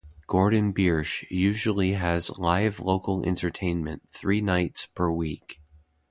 Gordon Biersch usually has live local entertainment three nights per week.